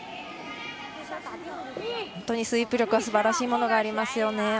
本当にスイープ力はすばらしいものがありますね。